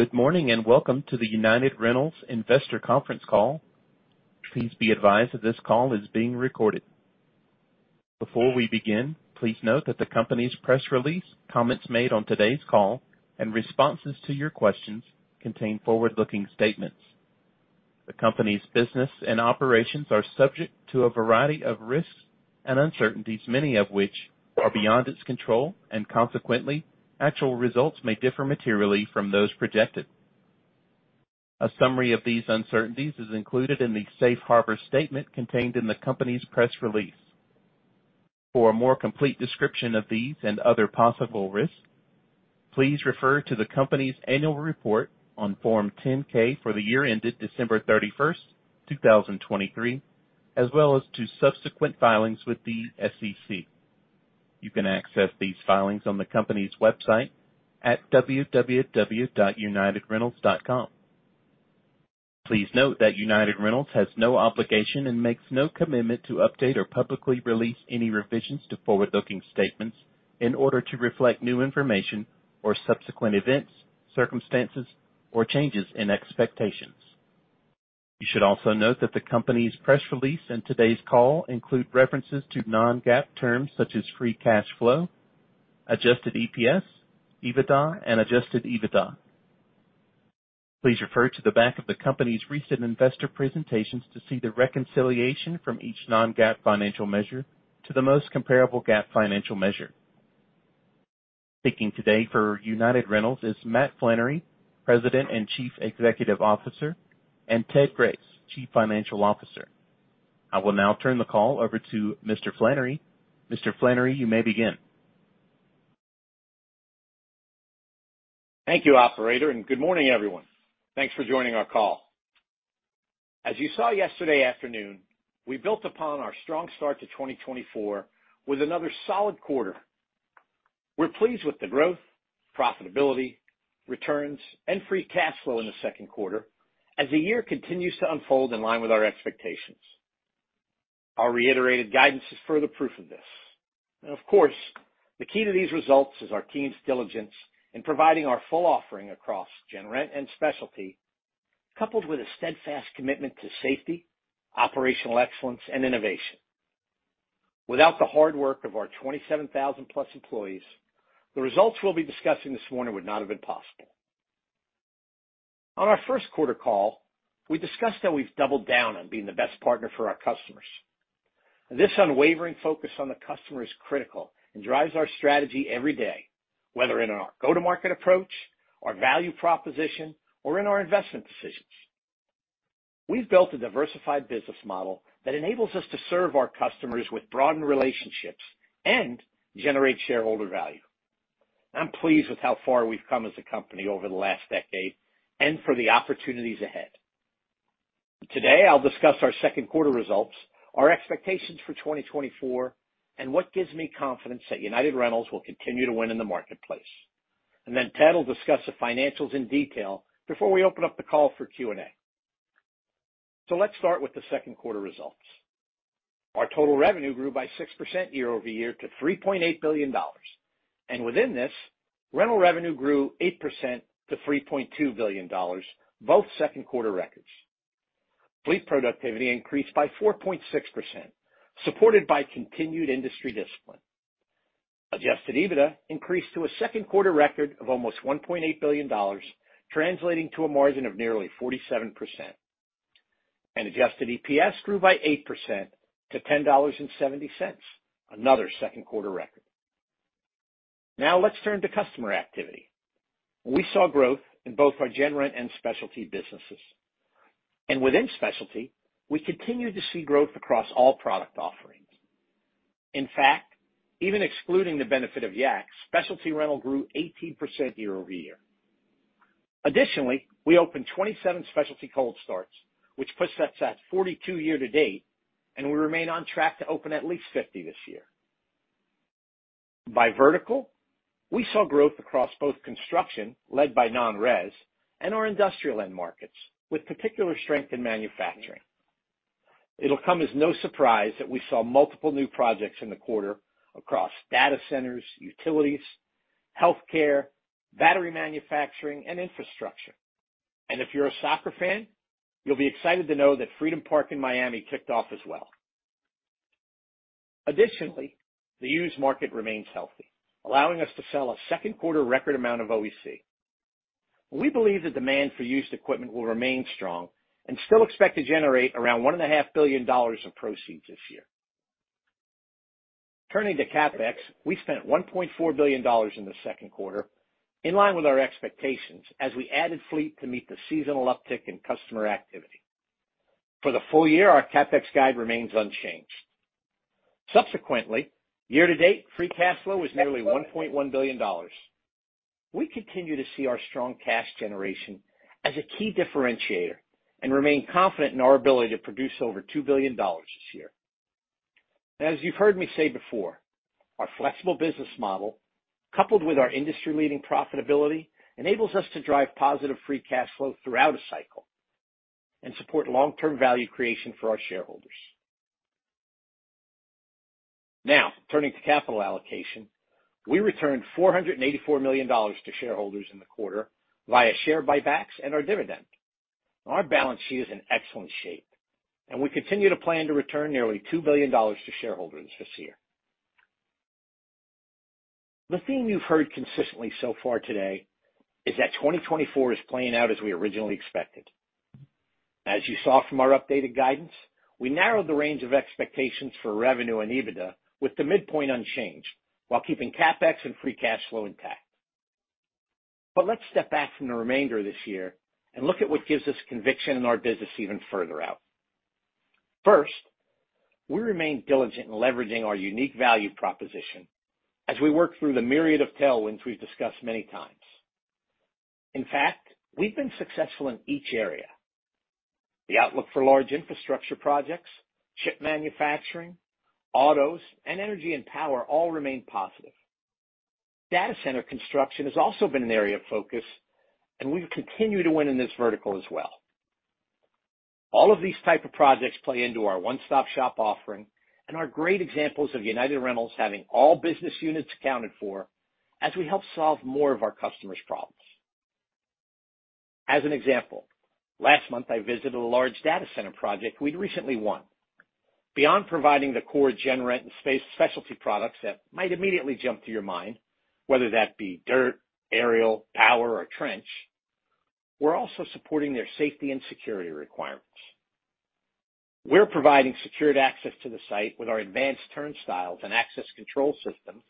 Good morning and welcome to the United Rentals investor conference call. Please be advised that this call is being recorded. Before we begin, please note that the company's press release, comments made on today's call, and responses to your questions contain forward-looking statements. The company's business and operations are subject to a variety of risks and uncertainties, many of which are beyond its control, and consequently, actual results may differ materially from those projected. A summary of these uncertainties is included in the safe harbor statement contained in the company's press release. For a more complete description of these and other possible risks, please refer to the company's annual report on Form 10-K for the year ended December 31st, 2023, as well as to subsequent filings with the SEC. You can access these filings on the company's website at www.unitedrentals.com. Please note that United Rentals has no obligation and makes no commitment to update or publicly release any revisions to forward-looking statements in order to reflect new information or subsequent events, circumstances, or changes in expectations. You should also note that the company's press release and today's call include references to non-GAAP terms such as free cash flow, adjusted EPS, EBITDA, and adjusted EBITDA. Please refer to the back of the company's recent investor presentations to see the reconciliation from each non-GAAP financial measure to the most comparable GAAP financial measure. Speaking today for United Rentals is Matt Flannery, President and Chief Executive Officer, and Ted Grace, Chief Financial Officer. I will now turn the call over to Mr. Flannery. Mr. Flannery, you may begin. Thank you, Operator, and good morning, everyone. Thanks for joining our call. As you saw yesterday afternoon, we built upon our strong start to 2024 with another solid quarter. We're pleased with the growth, profitability, returns, and free cash flow in the second quarter as the year continues to unfold in line with our expectations. Our reiterated guidance is further proof of this. Of course, the key to these results is our keen diligence in providing our full offering across gen rent and specialty, coupled with a steadfast commitment to safety, operational excellence, and innovation. Without the hard work of our 27,000-plus employees, the results we'll be discussing this morning would not have been possible. On our first quarter call, we discussed how we've doubled down on being the best partner for our customers. This unwavering focus on the customer is critical and drives our strategy every day, whether in our go-to-market approach, our value proposition, or in our investment decisions. We've built a diversified business model that enables us to serve our customers with broadened relationships and generate shareholder value. I'm pleased with how far we've come as a company over the last decade and for the opportunities ahead. Today, I'll discuss our second quarter results, our expectations for 2024, and what gives me confidence that United Rentals will continue to win in the marketplace. And then Ted will discuss the financials in detail before we open up the call for Q&A. So let's start with the second quarter results. Our total revenue grew by 6% year-over-year to $3.8 billion. And within this, rental revenue grew 8% to $3.2 billion, both second quarter records. Fleet productivity increased by 4.6%, supported by continued industry discipline. Adjusted EBITDA increased to a second quarter record of almost $1.8 billion, translating to a margin of nearly 47%. Adjusted EPS grew by 8%-$10.70, another second quarter record. Now let's turn to customer activity. We saw growth in both our gen rent and specialty businesses. Within specialty, we continue to see growth across all product offerings. In fact, even excluding the benefit of YAC, specialty rental grew 18% year-over-year. Additionally, we opened 27 specialty cold starts, which puts us at 42 year to date, and we remain on track to open at least 50 this year. By vertical, we saw growth across both construction, led by non-rez, and our industrial end markets, with particular strength in manufacturing. It'll come as no surprise that we saw multiple new projects in the quarter across data centers, utilities, healthcare, battery manufacturing, and infrastructure. And if you're a soccer fan, you'll be excited to know that Freedom Park in Miami kicked off as well. Additionally, the used market remains healthy, allowing us to sell a second-quarter record amount of OEC. We believe the demand for used equipment will remain strong and still expect to generate around $1.5 billion in proceeds this year. Turning to CapEx, we spent $1.4 billion in the second quarter, in line with our expectations as we added fleet to meet the seasonal uptick in customer activity. For the full year, our CapEx guide remains unchanged. Subsequently, year-to-date, free cash flow was nearly $1.1 billion. We continue to see our strong cash generation as a key differentiator and remain confident in our ability to produce over $2 billion this year. As you've heard me say before, our flexible business model, coupled with our industry-leading profitability, enables us to drive positive free cash flow throughout a cycle and support long-term value creation for our shareholders. Now, turning to capital allocation, we returned $484 million to shareholders in the quarter via share buybacks and our dividend. Our balance sheet is in excellent shape, and we continue to plan to return nearly $2 billion to shareholders this year. The theme you've heard consistently so far today is that 2024 is playing out as we originally expected. As you saw from our updated guidance, we narrowed the range of expectations for revenue and EBITDA with the midpoint unchanged while keeping CapEx and free cash flow intact. But let's step back from the remainder of this year and look at what gives us conviction in our business even further out. First, we remain diligent in leveraging our unique value proposition as we work through the myriad of tailwinds we've discussed many times. In fact, we've been successful in each area. The outlook for large infrastructure projects, chip manufacturing, autos, and energy and power all remain positive. Data center construction has also been an area of focus, and we continue to win in this vertical as well. All of these types of projects play into our one-stop-shop offering and are great examples of United Rentals having all business units accounted for as we help solve more of our customers' problems. As an example, last month, I visited a large data center project we'd recently won. Beyond providing the core gen rent and specialty products that might immediately jump to your mind, whether that be dirt, aerial, power, or trench, we're also supporting their safety and security requirements. We're providing secured access to the site with our advanced turnstiles and access control systems,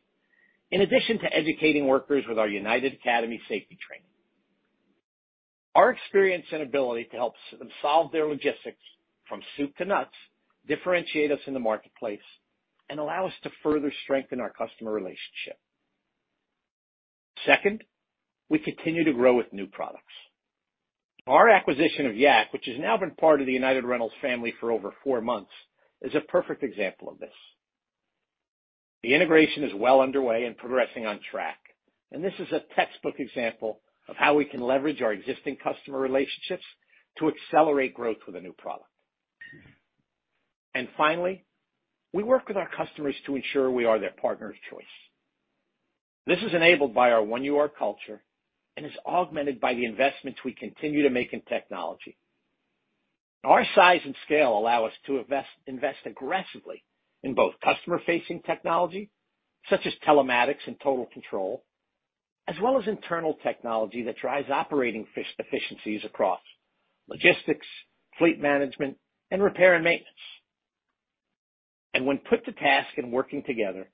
in addition to educating workers with our United Academy safety training. Our experience and ability to help them solve their logistics from soup to nuts differentiate us in the marketplace and allow us to further strengthen our customer relationship. Second, we continue to grow with new products. Our acquisition of YAC, which has now been part of the United Rentals family for over four months, is a perfect example of this. The integration is well underway and progressing on track, and this is a textbook example of how we can leverage our existing customer relationships to accelerate growth with a new product. Finally, we work with our customers to ensure we are their partner of choice. This is enabled by our one UR culture and is augmented by the investments we continue to make in technology. Our size and scale allow us to invest aggressively in both customer-facing technology, such as telematics and Total Control, as well as internal technology that drives operating efficiencies across logistics, fleet management, and repair and maintenance. When put to task and working together,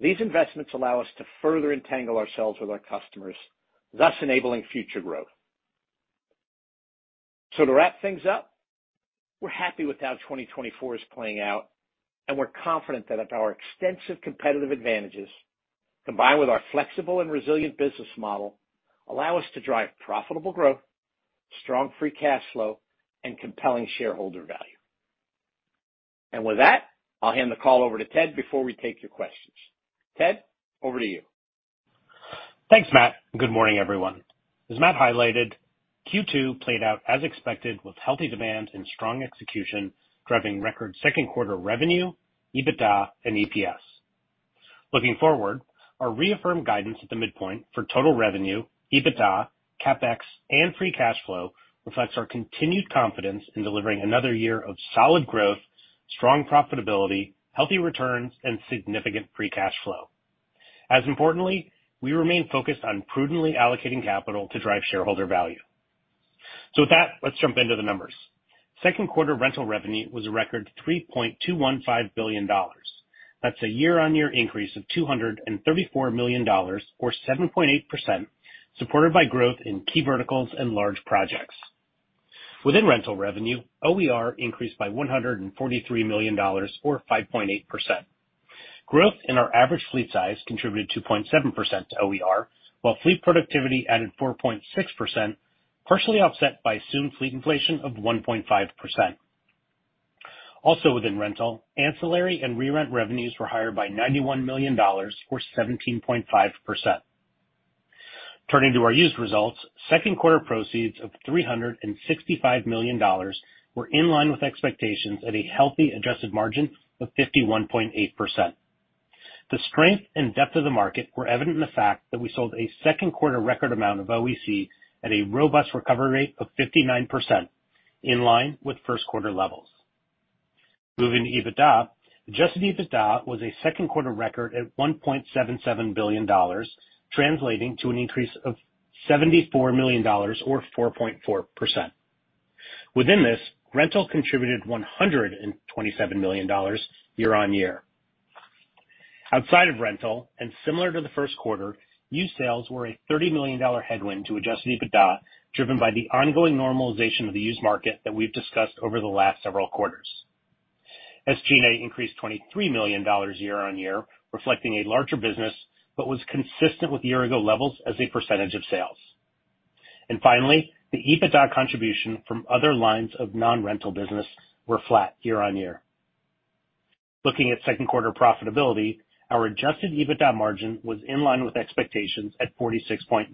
these investments allow us to further entangle ourselves with our customers, thus enabling future growth. To wrap things up, we're happy with how 2024 is playing out, and we're confident that our extensive competitive advantages, combined with our flexible and resilient business model, allow us to drive profitable growth, strong free cash flow, and compelling shareholder value. With that, I'll hand the call over to Ted before we take your questions. Ted, over to you. Thanks, Matt. Good morning, everyone. As Matt highlighted, Q2 played out as expected with healthy demand and strong execution driving record second quarter revenue, EBITDA, and EPS. Looking forward, our reaffirmed guidance at the midpoint for total revenue, EBITDA, CapEx, and free cash flow reflects our continued confidence in delivering another year of solid growth, strong profitability, healthy returns, and significant free cash flow. As importantly, we remain focused on prudently allocating capital to drive shareholder value. With that, let's jump into the numbers. Second quarter rental revenue was a record $3.215 billion. That's a year-on-year increase of $234 million, or 7.8%, supported by growth in key verticals and large projects. Within rental revenue, OER increased by $143 million, or 5.8%. Growth in our average fleet size contributed 2.7% to OER, while fleet productivity added 4.6%, partially offset by assumed fleet inflation of 1.5%. Also, within rental, ancillary and re-rent revenues were higher by $91 million, or 17.5%. Turning to our used results, second quarter proceeds of $365 million were in line with expectations at a healthy adjusted margin of 51.8%. The strength and depth of the market were evident in the fact that we sold a second quarter record amount of OEC at a robust recovery rate of 59%, in line with first quarter levels. Moving to EBITDA, adjusted EBITDA was a second quarter record at $1.77 billion, translating to an increase of $74 million, or 4.4%. Within this, rental contributed $127 million year-on-year. Outside of rental, and similar to the first quarter, used sales were a $30 million headwind to adjusted EBITDA, driven by the ongoing normalization of the used market that we've discussed over the last several quarters. SG&A increased $23 million year-over-year, reflecting a larger business, but was consistent with year-ago levels as a percentage of sales. Finally, the EBITDA contribution from other lines of non-rental business was flat year-over-year. Looking at second quarter profitability, our adjusted EBITDA margin was in line with expectations at 46.9%.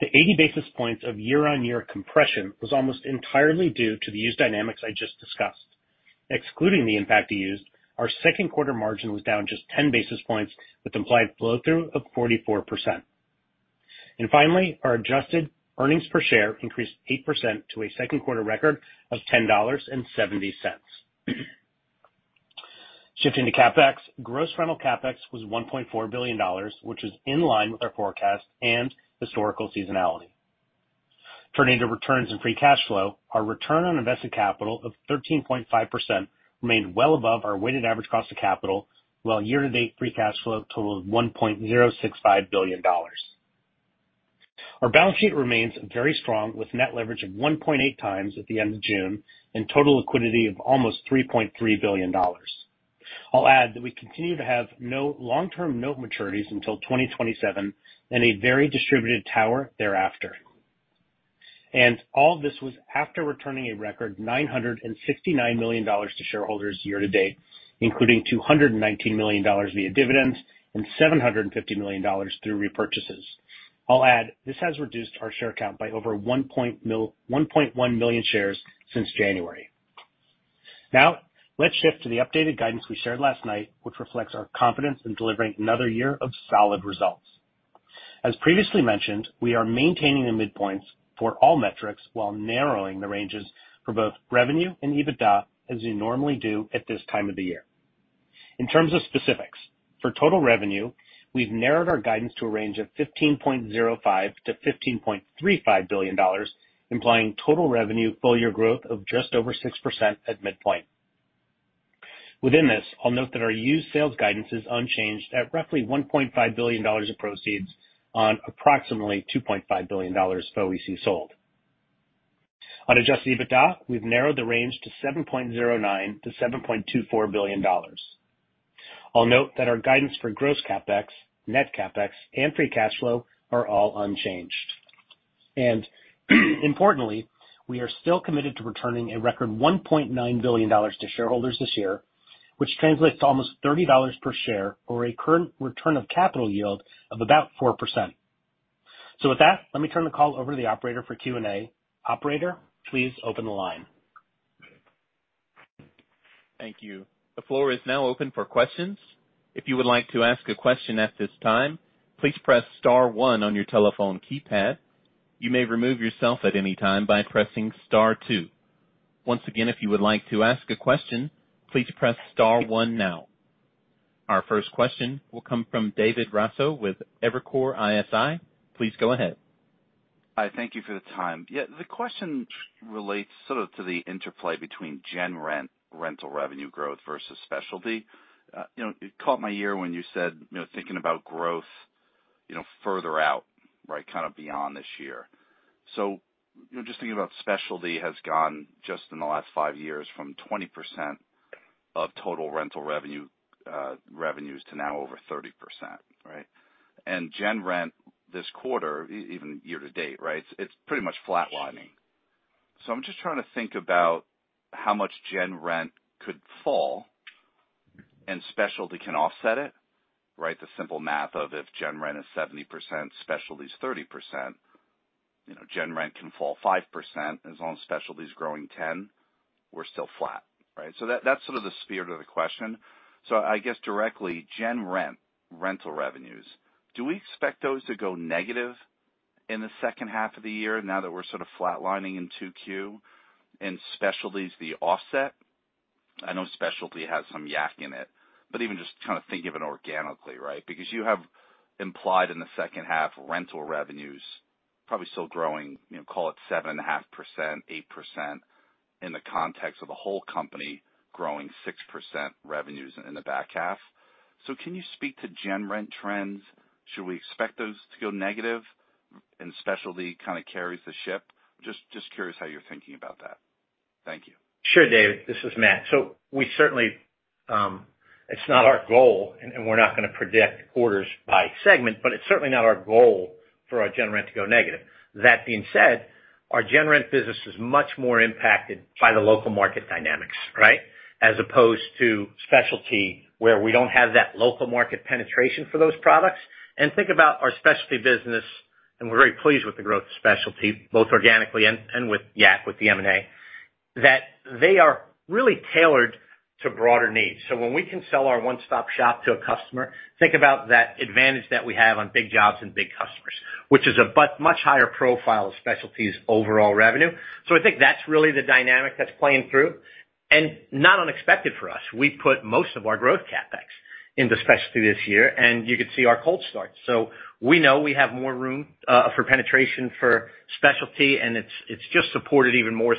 The 80 basis points of year-over-year compression was almost entirely due to the used dynamics I just discussed. Excluding the impact to used, our second quarter margin was down just 10 basis points, with implied flow-through of 44%. Finally, our adjusted earnings per share increased 8% to a second quarter record of $10.70. Shifting to CapEx, gross rental CapEx was $1.4 billion, which was in line with our forecast and historical seasonality. Turning to returns and free cash flow, our return on invested capital of 13.5% remained well above our weighted average cost of capital, while year-to-date free cash flow totaled $1.065 billion. Our balance sheet remains very strong, with net leverage of 1.8x at the end of June and total liquidity of almost $3.3 billion. I'll add that we continue to have no long-term note maturities until 2027 and a very distributed tower thereafter. All of this was after returning a record $969 million to shareholders year-to-date, including $219 million via dividends and $750 million through repurchases. I'll add this has reduced our share count by over 1.1 million shares since January. Now, let's shift to the updated guidance we shared last night, which reflects our confidence in delivering another year of solid results. As previously mentioned, we are maintaining the midpoints for all metrics while narrowing the ranges for both revenue and EBITDA as we normally do at this time of the year. In terms of specifics, for total revenue, we've narrowed our guidance to a range of $15.05-$15.35 billion, implying total revenue full-year growth of just over 6% at midpoint. Within this, I'll note that our used sales guidance is unchanged at roughly $1.5 billion of proceeds on approximately $2.5 billion of OEC sold. On Adjusted EBITDA, we've narrowed the range to $7.09-$7.24 billion. I'll note that our guidance for gross CapEx, net CapEx, and free cash flow are all unchanged. And importantly, we are still committed to returning a record $1.9 billion to shareholders this year, which translates to almost $30 per share or a current return of capital yield of about 4%. With that, let me turn the call over to the operator for Q&A. Operator, please open the line. Thank you. The floor is now open for questions. If you would like to ask a question at this time, please press Star 1 on your telephone keypad. You may remove yourself at any time by pressing Star 2. Once again, if you would like to ask a question, please press Star 1 now. Our first question will come from David Raso with Evercore ISI. Please go ahead. Hi. Thank you for the time. Yeah, the question relates sort of to the interplay between gen rent, rental revenue growth versus specialty. You caught my ear when you said, thinking about growth further out, right, kind of beyond this year. So just thinking about specialty has gone just in the last 5 years from 20% of total rental revenue revenues to now over 30%, right? And gen rent this quarter, even year-to-date, right, it's pretty much flatlining. So I'm just trying to think about how much gen rent could fall and specialty can offset it, right? The simple math of if gen rent is 70%, specialty is 30%, gen rent can fall 5%, as long as specialty is growing 10, we're still flat, right? So that's sort of the spirit of the question. So I guess directly, gen rent, rental revenues, do we expect those to go negative in the second half of the year now that we're sort of flatlining in Q2 and specialty's the offset? I know specialty has some YAC in it, but even just kind of think of it organically, right? Because you have implied in the second half rental revenues probably still growing, call it 7.5%, 8% in the context of the whole company growing 6% revenues in the back half. So can you speak to gen rent trends? Should we expect those to go negative and specialty kind of carries the ship? Just curious how you're thinking about that. Thank you. Sure, David. This is Matt. So we certainly, it's not our goal, and we're not going to predict orders by segment, but it's certainly not our goal for our gen rent to go negative. That being said, our gen rent business is much more impacted by the local market dynamics, right, as opposed to specialty where we don't have that local market penetration for those products. And think about our specialty business, and we're very pleased with the growth of specialty, both organically and with YAC, with the M&A, that they are really tailored to broader needs. So when we can sell our one-stop shop to a customer, think about that advantage that we have on big jobs and big customers, which is a much higher profile of specialty's overall revenue. So I think that's really the dynamic that's playing through and not unexpected for us. We put most of our growth CapEx into specialty this year, and you could see our cold start. We know we have more room for penetration for specialty, and it's just supported even more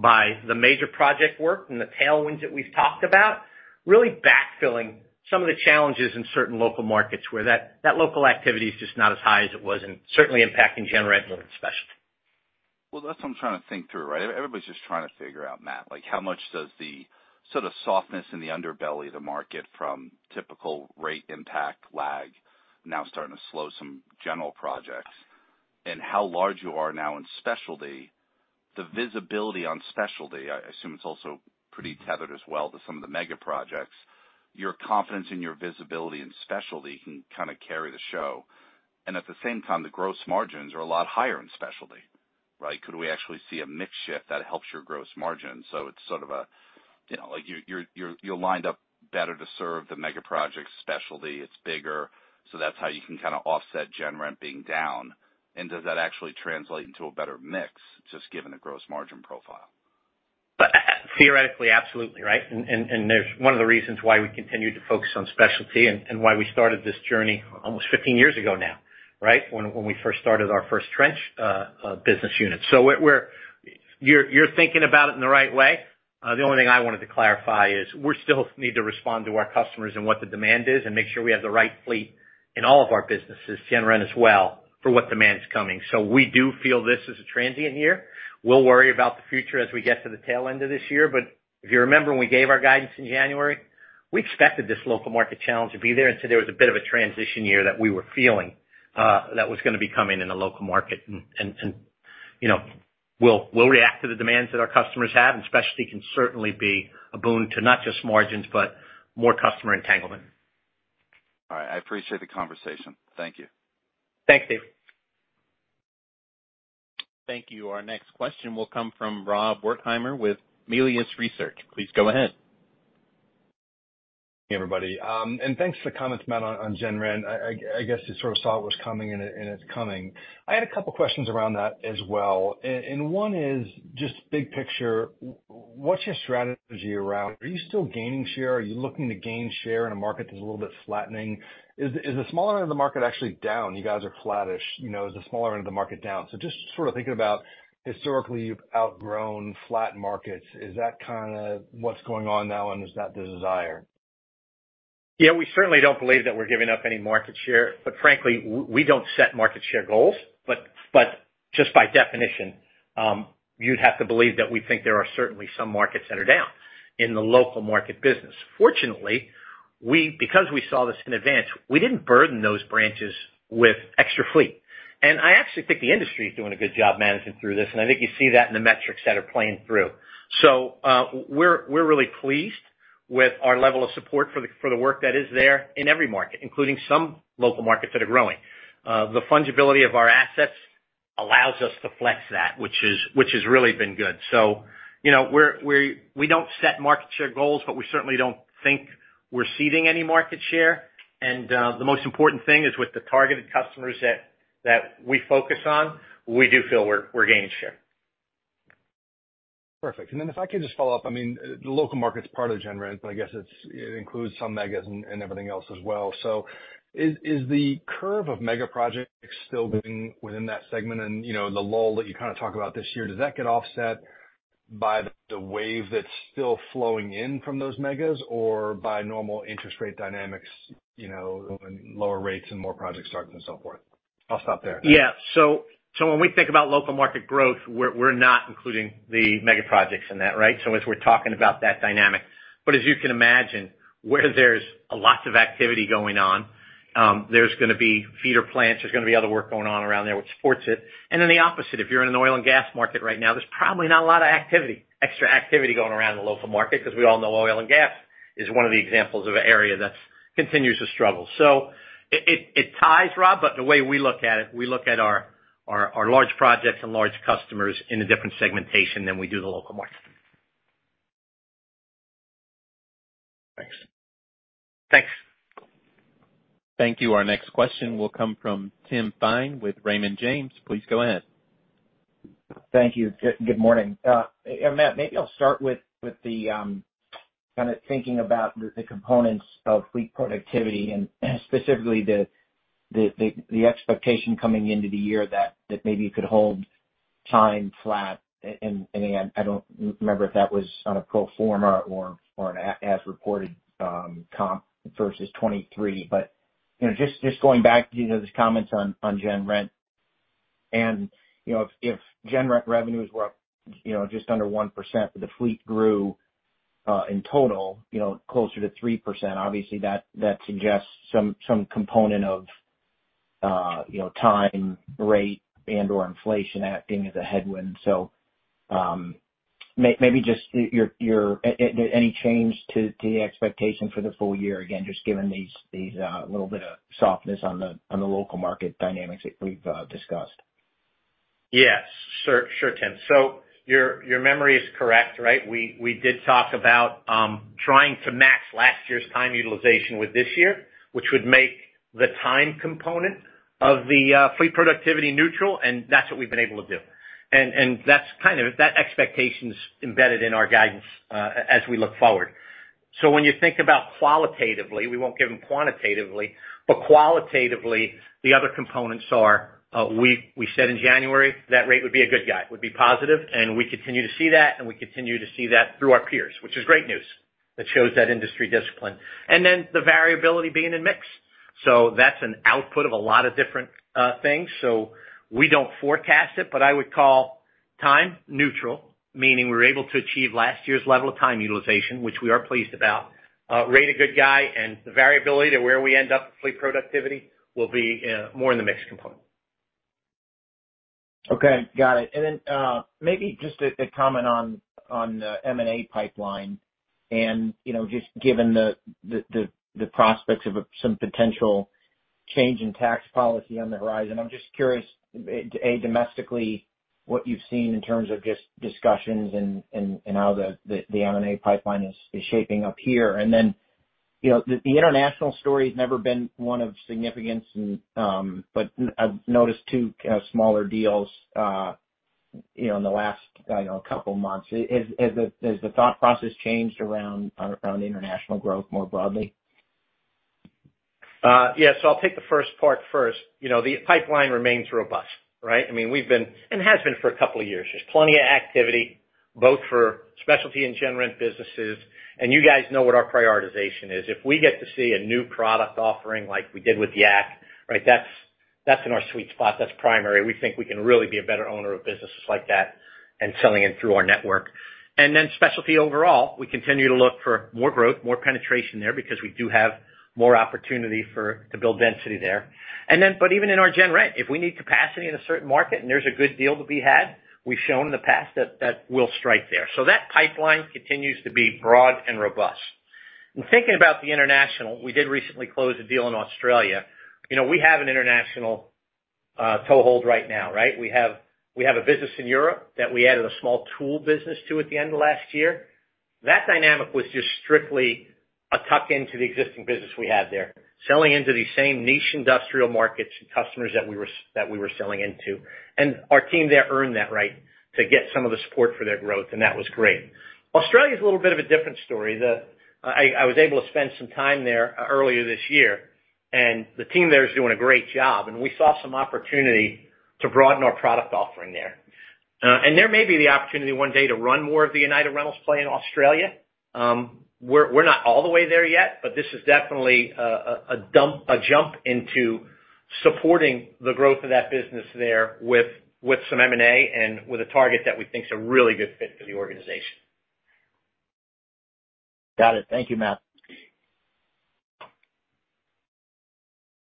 so by the major project work and the tailwinds that we've talked about, really backfilling some of the challenges in certain local markets where that local activity is just not as high as it was and certainly impacting gen rent more than specialty. Well, that's what I'm trying to think through, right? Everybody's just trying to figure out, Matt, how much does the sort of softness in the underbelly of the market from typical rate impact lag now starting to slow some general projects? And how large you are now in specialty, the visibility on specialty, I assume it's also pretty tethered as well to some of the mega projects. Your confidence in your visibility in specialty can kind of carry the show. And at the same time, the gross margins are a lot higher in specialty, right? Could we actually see a mix shift that helps your gross margin? So it's sort of a—you're lined up better to serve the mega projects, specialty, it's bigger. So that's how you can kind of offset gen rent being down. And does that actually translate into a better mix just given the gross margin profile? But theoretically, absolutely, right? And one of the reasons why we continue to focus on specialty and why we started this journey almost 15 years ago now, right, when we first started our first trench business unit. So you're thinking about it in the right way. The only thing I wanted to clarify is we still need to respond to our customers and what the demand is and make sure we have the right fleet in all of our businesses, gen rent as well, for what demand's coming. So we do feel this is a transient year. We'll worry about the future as we get to the tail end of this year. But if you remember when we gave our guidance in January, we expected this local market challenge to be there. And so there was a bit of a transition year that we were feeling that was going to be coming in the local market. And we'll react to the demands that our customers have, and specialty can certainly be a boon to not just margins, but more customer entanglement. All right. I appreciate the conversation. Thank you. Thanks, Dave. Thank you. Our next question will come from Rob Wertheimer with Melius Research. Please go ahead. Hey, everybody. And thanks for the comments, Matt, on gen rent. I guess you sort of saw it was coming, and it's coming. I had a couple of questions around that as well. And one is just big picture, what's your strategy around? Are you still gaining share? Are you looking to gain share in a market that's a little bit flattening? Is the smaller end of the market actually down? You guys are flattish. Is the smaller end of the market down? So just sort of thinking about historically you've outgrown flat markets. Is that kind of what's going on now, and is that the desire? Yeah, we certainly don't believe that we're giving up any market share. But frankly, we don't set market share goals. But just by definition, you'd have to believe that we think there are certainly some markets that are down in the local market business. Fortunately, because we saw this in advance, we didn't burden those branches with extra fleet. And I actually think the industry is doing a good job managing through this, and I think you see that in the metrics that are playing through. So we're really pleased with our level of support for the work that is there in every market, including some local markets that are growing. The fungibility of our assets allows us to flex that, which has really been good. So we don't set market share goals, but we certainly don't think we're ceding any market share. The most important thing is with the targeted customers that we focus on, we do feel we're gaining share. Perfect. And then if I could just follow up, I mean, the local market's part of the gen rent, but I guess it includes some megas and everything else as well. So is the curve of mega projects still within that segment? And the lull that you kind of talked about this year, does that get offset by the wave that's still flowing in from those megas or by normal interest rate dynamics and lower rates and more project starts and so forth? I'll stop there. Yeah. So when we think about local market growth, we're not including the mega projects in that, right? So as we're talking about that dynamic. But as you can imagine, where there's lots of activity going on, there's going to be feeder plants. There's going to be other work going on around there which supports it. And then the opposite, if you're in an oil and gas market right now, there's probably not a lot of extra activity going around in the local market because we all know oil and gas is one of the examples of an area that continues to struggle. So it ties, Rob, but the way we look at it, we look at our large projects and large customers in a different segmentation than we do the local market. Thanks. Thanks. Thank you. Our next question will come from Tim Thein with Raymond James. Please go ahead. Thank you. Good morning. Matt, maybe I'll start with kind of thinking about the components of fleet productivity and specifically the expectation coming into the year that maybe you could hold time flat. And again, I don't remember if that was on a pro forma or an as-reported comp versus 2023. But just going back to those comments on gen rent, and if gen rent revenues were up just under 1%, but the fleet grew in total closer to 3%, obviously that suggests some component of time, rate, and/or inflation acting as a headwind. So maybe just any change to the expectation for the full year, again, just given these a little bit of softness on the local market dynamics that we've discussed. Yes. Sure, Tim. So your memory is correct, right? We did talk about trying to match last year's time utilization with this year, which would make the time component of the fleet productivity neutral, and that's what we've been able to do. And that expectation is embedded in our guidance as we look forward. So when you think about qualitatively, we won't give them quantitatively, but qualitatively, the other components are we said in January that rate would be a good guy, would be positive, and we continue to see that, and we continue to see that through our peers, which is great news. That shows that industry discipline. And then the variability being in mix. So that's an output of a lot of different things. So we don't forecast it, but I would call time neutral, meaning we were able to achieve last year's level of time utilization, which we are pleased about. Rates a good guy, and the variability to where we end up with fleet productivity will be more in the mix component. Okay. Got it. And then maybe just a comment on the M&A pipeline and just given the prospects of some potential change in tax policy on the horizon. I'm just curious, A, domestically, what you've seen in terms of just discussions and how the M&A pipeline is shaping up here. And then the international story has never been one of significance, but I've noticed two smaller deals in the last couple of months. Has the thought process changed around international growth more broadly? Yeah. So I'll take the first part first. The pipeline remains robust, right? I mean, we've been and has been for a couple of years. There's plenty of activity, both for specialty and gen rent businesses. And you guys know what our prioritization is. If we get to see a new product offering like we did with YAC, right, that's in our sweet spot. That's primary. We think we can really be a better owner of businesses like that and selling it through our network. And then specialty overall, we continue to look for more growth, more penetration there because we do have more opportunity to build density there. But even in our gen rent, if we need capacity in a certain market and there's a good deal to be had, we've shown in the past that we'll strike there. So that pipeline continues to be broad and robust. And thinking about the international, we did recently close a deal in Australia. We have an international toehold right now, right? We have a business in Europe that we added a small tool business to at the end of last year. That dynamic was just strictly a tuck into the existing business we had there, selling into the same niche industrial markets and customers that we were selling into. And our team there earned that right to get some of the support for their growth, and that was great. Australia is a little bit of a different story. I was able to spend some time there earlier this year, and the team there is doing a great job. And we saw some opportunity to broaden our product offering there. And there may be the opportunity one day to run more of the United Rentals play in Australia. We're not all the way there yet, but this is definitely a jump into supporting the growth of that business there with some M&A and with a target that we think is a really good fit for the organization. Got it. Thank you, Matt.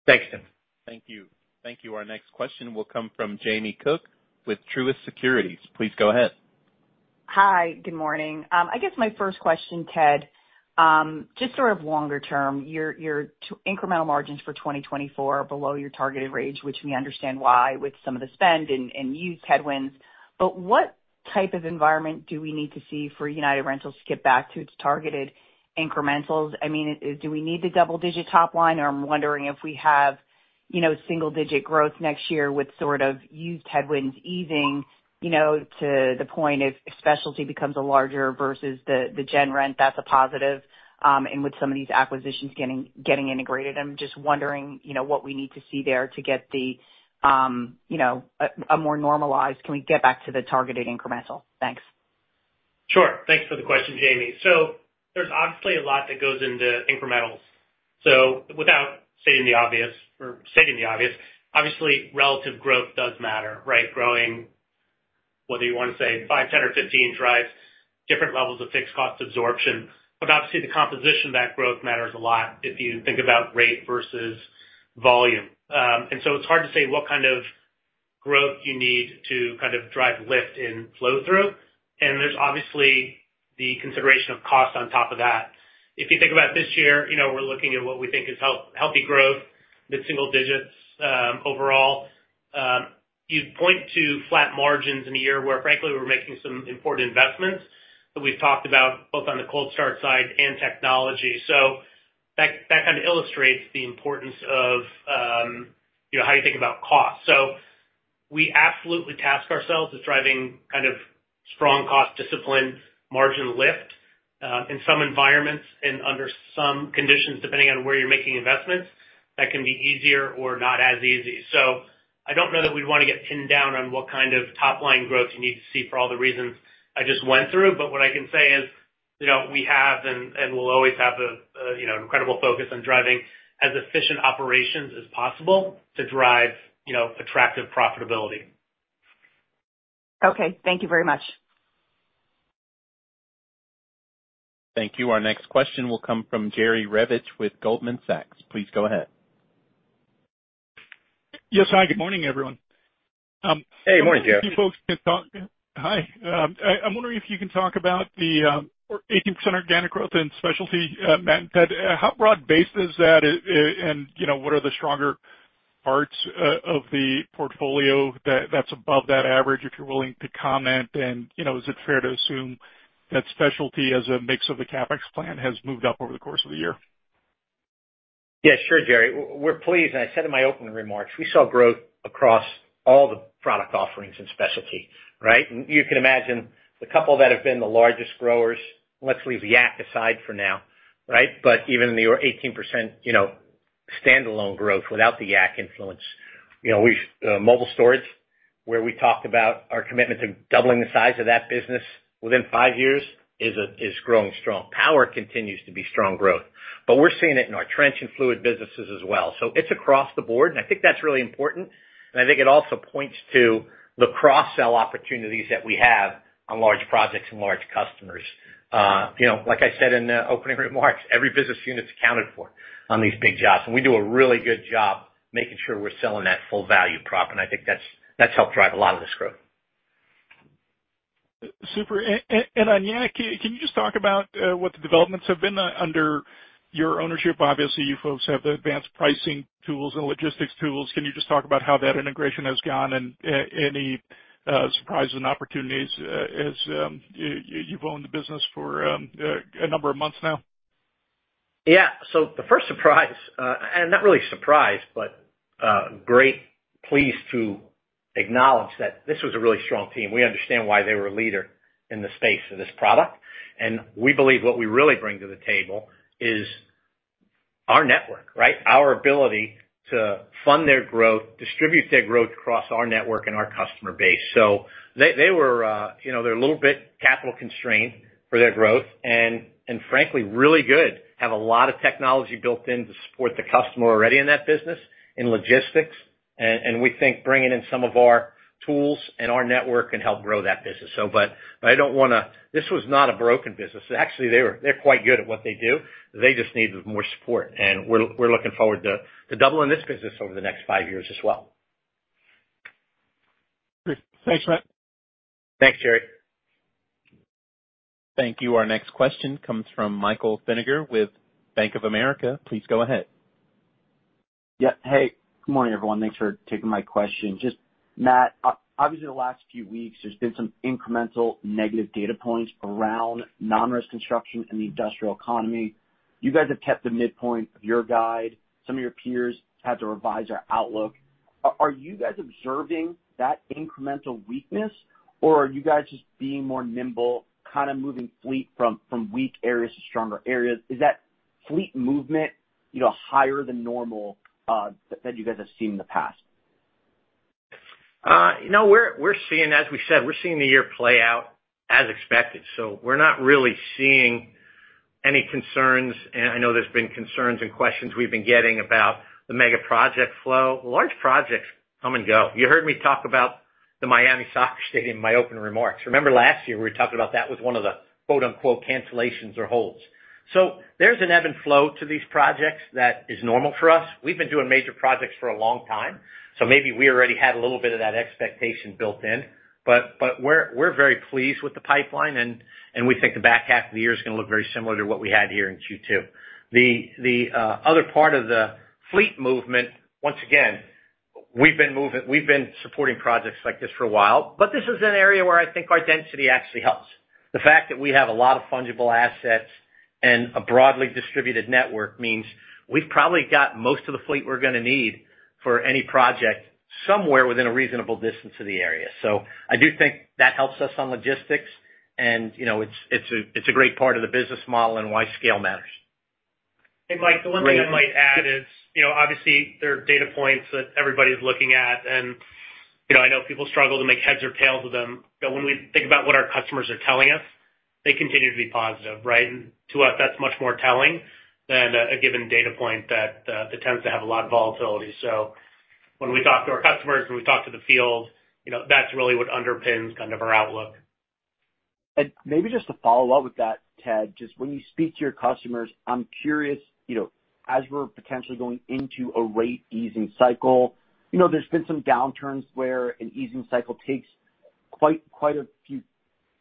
Thanks, Tim. Thank you. Thank you. Our next question will come from Jamie Cook with Truist Securities. Please go ahead. Hi. Good morning. I guess my first question, Ted, just sort of longer term, your incremental margins for 2024 are below your targeted range, which we understand why with some of the spend and used headwinds. But what type of environment do we need to see for United Rentals to get back to its targeted incrementals? I mean, do we need the double-digit top line? Or I'm wondering if we have single-digit growth next year with sort of used headwinds easing to the point if specialty becomes a larger versus the gen rent, that's a positive, and with some of these acquisitions getting integrated. I'm just wondering what we need to see there to get a more normalized, can we get back to the targeted incremental? Thanks. Sure. Thanks for the question, Jamie. So there's obviously a lot that goes into incrementals. So without stating the obvious or stating the obvious, obviously, relative growth does matter, right? Growing, whether you want to say 5, 10, or 15, drives different levels of fixed cost absorption. But obviously, the composition of that growth matters a lot if you think about rate versus volume. And so it's hard to say what kind of growth you need to kind of drive lift in flow through. And there's obviously the consideration of cost on top of that. If you think about this year, we're looking at what we think is healthy growth, mid-single digits overall. You'd point to flat margins in a year where, frankly, we're making some important investments that we've talked about both on the cold start side and technology. So that kind of illustrates the importance of how you think about cost. So we absolutely task ourselves with driving kind of strong cost discipline, margin lift in some environments and under some conditions, depending on where you're making investments, that can be easier or not as easy. So I don't know that we'd want to get pinned down on what kind of top-line growth you need to see for all the reasons I just went through. But what I can say is we have and will always have an incredible focus on driving as efficient operations as possible to drive attractive profitability. Okay. Thank you very much. Thank you. Our next question will come from Jerry Revich with Goldman Sachs. Please go ahead. Yes, hi. Good morning, everyone. Hey. Good morning, Jerry. I'm wondering if you can talk about the 18% organic growth in specialty, Matt and Ted? How broad-based is that, and what are the stronger parts of the portfolio that's above that average, if you're willing to comment? And is it fair to assume that specialty as a mix of the CapEx plan has moved up over the course of the year? Yeah, sure, Jerry. We're pleased. And I said in my opening remarks, we saw growth across all the product offerings in specialty, right? And you can imagine the couple that have been the largest growers, let's leave YAC aside for now, right? But even in the 18% standalone growth without the YAC influence, mobile storage, where we talked about our commitment to doubling the size of that business within five years, is growing strong. Power continues to be strong growth. But we're seeing it in our trench and fluid businesses as well. So it's across the board, and I think that's really important. And I think it also points to the cross-sell opportunities that we have on large projects and large customers. Like I said in the opening remarks, every business unit's accounted for on these big jobs. We do a really good job making sure we're selling that full-value prop. I think that's helped drive a lot of this growth. Super. And on YAC, can you just talk about what the developments have been under your ownership? Obviously, you folks have the advanced pricing tools and logistics tools. Can you just talk about how that integration has gone and any surprises and opportunities as you've owned the business for a number of months now? Yeah. So the first surprise, and not really a surprise, but great pleasure to acknowledge that this was a really strong team. We understand why they were a leader in the space of this product. And we believe what we really bring to the table is our network, right? Our ability to fund their growth, distribute their growth across our network and our customer base. So they were a little bit capital constrained for their growth and, frankly, really good, have a lot of technology built in to support the customer already in that business in logistics. And we think bringing in some of our tools and our network can help grow that business. But I don't want to. This was not a broken business. Actually, they're quite good at what they do. They just needed more support. We're looking forward to doubling this business over the next five years as well. Great. Thanks, Matt. Thanks, Jerry. Thank you. Our next question comes from Michael Feniger with Bank of America. Please go ahead. Yeah. Hey. Good morning, everyone. Thanks for taking my question. Just, Matt, obviously, the last few weeks, there's been some incremental negative data points around non-res construction in the industrial economy. You guys have kept the midpoint of your guide. Some of your peers had to revise our outlook. Are you guys observing that incremental weakness, or are you guys just being more nimble, kind of moving fleet from weak areas to stronger areas? Is that fleet movement higher than normal that you guys have seen in the past? We're seeing, as we said, we're seeing the year play out as expected. So we're not really seeing any concerns. And I know there's been concerns and questions we've been getting about the mega project flow. Large projects come and go. You heard me talk about the Miami Freedom Park in my opening remarks. Remember last year, we were talking about that with one of the "cancellations" or holds. So there's an ebb and flow to these projects that is normal for us. We've been doing major projects for a long time. So maybe we already had a little bit of that expectation built in. But we're very pleased with the pipeline, and we think the back half of the year is going to look very similar to what we had here in Q2. The other part of the fleet movement, once again, we've been supporting projects like this for a while. But this is an area where I think our density actually helps. The fact that we have a lot of fungible assets and a broadly distributed network means we've probably got most of the fleet we're going to need for any project somewhere within a reasonable distance of the area. So I do think that helps us on logistics, and it's a great part of the business model and why scale matters. And Mike, the one thing I might add is, obviously, there are data points that everybody's looking at. And I know people struggle to make heads or tails of them. But when we think about what our customers are telling us, they continue to be positive, right? To us, that's much more telling than a given data point that tends to have a lot of volatility. When we talk to our customers and we talk to the field, that's really what underpins kind of our outlook. Maybe just to follow up with that, Ted, just when you speak to your customers, I'm curious, as we're potentially going into a rate easing cycle, there's been some downturns where an easing cycle takes quite a few,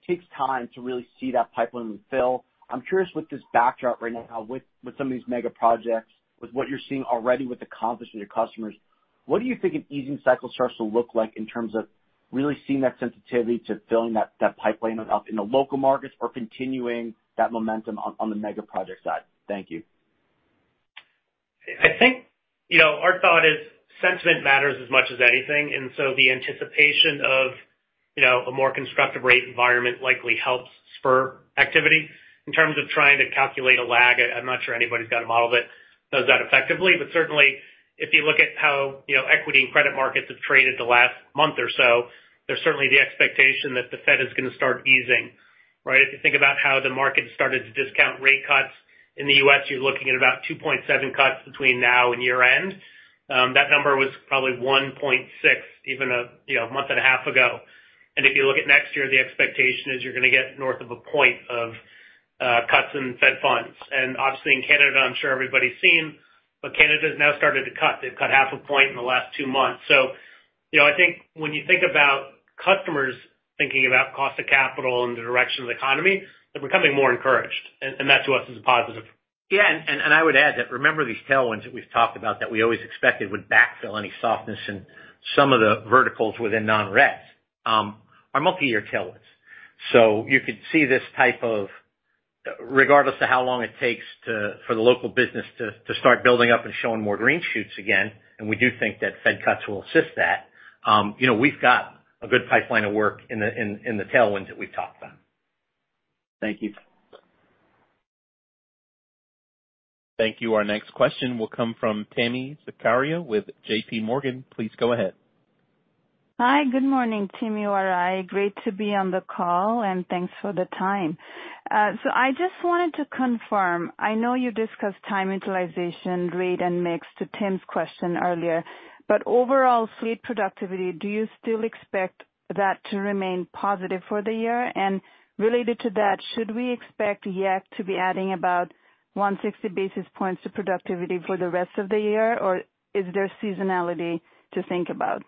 takes time to really see that pipeline fill. I'm curious with this backdrop right now, with some of these mega projects, with what you're seeing already with the confidence in your customers, what do you think an easing cycle starts to look like in terms of really seeing that sensitivity to filling that pipeline up in the local markets or continuing that momentum on the mega project side? Thank you. I think our thought is sentiment matters as much as anything. And so the anticipation of a more constructive rate environment likely helps spur activity. In terms of trying to calculate a lag, I'm not sure anybody's got a model that does that effectively. But certainly, if you look at how equity and credit markets have traded the last month or so, there's certainly the expectation that the Fed is going to start easing, right? If you think about how the market started to discount rate cuts in the U.S., you're looking at about 2.7 cuts between now and year-end. That number was probably 1.6 even a month and a half ago. And if you look at next year, the expectation is you're going to get north of a point of cuts in Fed funds. And obviously, in Canada, I'm sure everybody's seen, but Canada has now started to cut. They've cut 0.5 point in the last 2 months. So I think when you think about customers thinking about cost of capital and the direction of the economy, they're becoming more encouraged. And that, to us, is a positive. Yeah. And I would add that remember these tailwinds that we've talked about that we always expected would backfill any softness in some of the verticals within non-rez, our multi-year tailwinds. So you could see this type of, regardless of how long it takes for the local business to start building up and showing more green shoots again, and we do think that Fed cuts will assist that, we've got a good pipeline of work in the tailwinds that we've talked about. Thank you. Thank you. Our next question will come from Tami Zakaria with J.P. Morgan. Please go ahead. Hi. Good morning, Tim Thein. Great to be on the call, and thanks for the time. So I just wanted to confirm, I know you discussed time utilization, rate, and mix to Tim's question earlier. But overall fleet productivity, do you still expect that to remain positive for the year? And related to that, should we expect YAC to be adding about 160 basis points to productivity for the rest of the year, or is there seasonality to think about?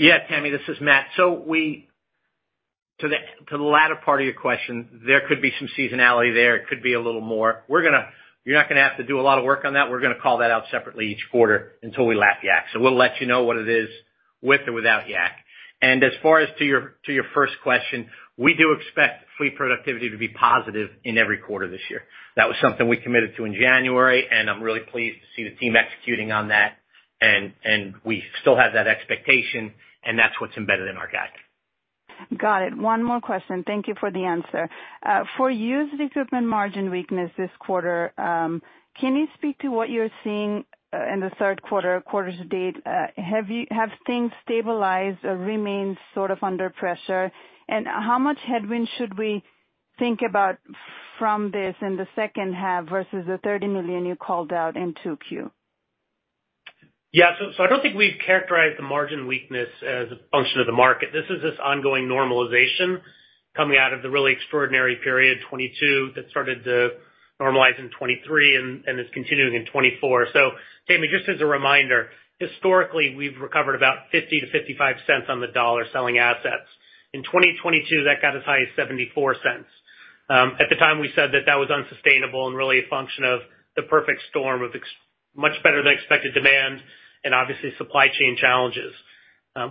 Yeah, Tami, this is Matt. So to the latter part of your question, there could be some seasonality there. It could be a little more. You're not going to have to do a lot of work on that. We're going to call that out separately each quarter until we lap YAC. So we'll let you know what it is with or without YAC. And as far as to your first question, we do expect fleet productivity to be positive in every quarter this year. That was something we committed to in January, and I'm really pleased to see the team executing on that. And we still have that expectation, and that's what's embedded in our guide. Got it. One more question. Thank you for the answer. For used equipment margin weakness this quarter, can you speak to what you're seeing in the third quarter, quarter to date? Have things stabilized or remained sort of under pressure? And how much headwind should we think about from this in the second half versus the $30 million you called out in Q2? Yeah. So I don't think we've characterized the margin weakness as a function of the market. This is this ongoing normalization coming out of the really extraordinary period 2022 that started to normalize in 2023 and is continuing in 2024. So, Tami, just as a reminder, historically, we've recovered about 50-55 cents on the dollar selling assets. In 2022, that got as high as 74 cents. At the time, we said that that was unsustainable and really a function of the perfect storm of much better than expected demand and obviously supply chain challenges.